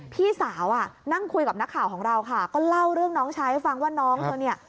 พี่สาวอ่ะนั่งคุยกับนักข่าวของเราค่ะก็เล่าเรื่องน้องชายให้ฟังว่าน้องเธอเนี่ย